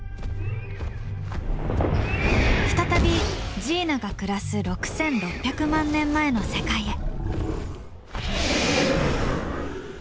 再びジーナが暮らす６，６００万年前の世界へ。